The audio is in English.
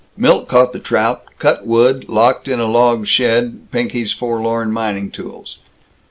Milt caught the trout, cut wood, locked in a log shed Pinky's forlorn mining tools.